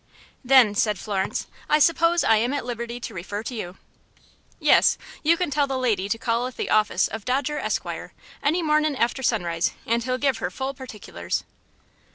"Then," said Florence, "I suppose I am at liberty to refer to you." "Yes; you can tell the lady to call at the office of Dodger, Esq., any mornin' after sunrise, and he'll give her full particulars."